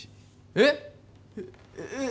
えっ？